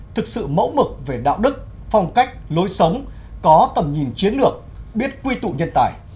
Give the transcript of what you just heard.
thực sự mẫu mực về đạo đức phong cách lối sống có tầm nhìn chiến lược biết quy tụ nhân tài